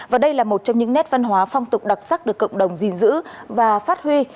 và đây là một trong những nét văn hóa phong tục đặc sắc được cộng đồng gìn giữ và phát huy